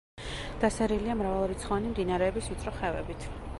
დასერილია მრავალრიცხოვანი მდინარეების ვიწრო ხევებით.